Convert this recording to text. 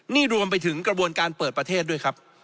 นี่รวมไปถึงกระบวนการเปิดประเทศด้วยครับ